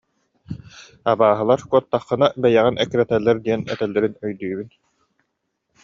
Абааһылар куоттаххына, бэйэҕин эккирэтэллэр диэн этэллэрин өйдүүбүн